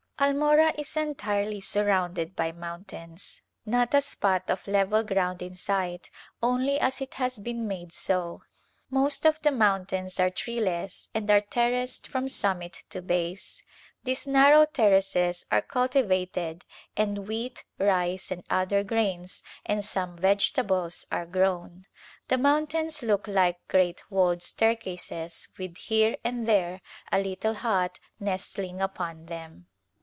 Almora is entirely surrounded by mountains, not a spot of level ground in sight only as it has been made A Visit to the Hills so. Most of the mountains are treeless and are ter raced from summit to base. These narrow terraces are cultivated and wheat, rice and other grains and some vegetables are grown. The mountains look like great walled staircases with here and there a little hut nestling upon them.